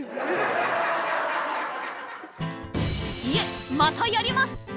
［いえまたやります！］